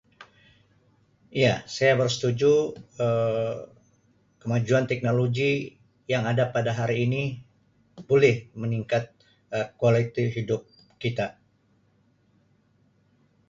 Ya saya bersetuju Um kemajuan teknologi yang ada pada hari ini boleh meningkat Um kualiti hidup kita.